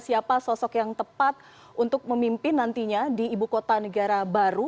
siapa sosok yang tepat untuk memimpin nantinya di ibu kota negara baru